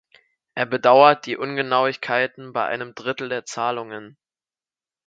Er bedauert die Ungenauigkeiten bei einem Drittel der Zahlungen.